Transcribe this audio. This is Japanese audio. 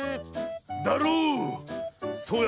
だろう？